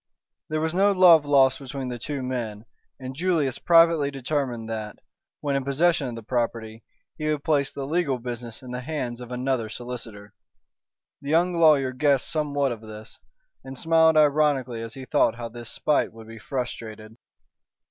There was no love lost between the two men, and Julius privately determined that, when in possession of the property, he would place the legal business in the hands of another solicitor. The young lawyer guessed somewhat of this, and smiled ironically as he thought how this spite would be frustrated.